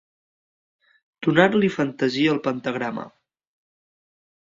Donar-li fantasia al pentagrama.